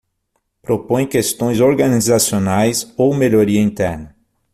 Propõe questões organizacionais ou melhoria interna.